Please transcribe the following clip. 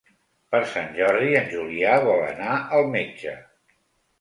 Per Sant Jordi en Julià vol anar al metge.